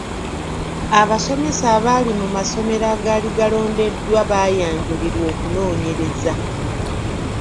Abasomesa abaali mu masomero agaali galondeddwa baayanjulirwa okunoonyereza.